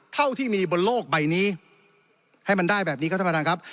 เท่าที่มีบนโลกใบนี้ให้มันได้แบบนี้ครับท่านประธานครับ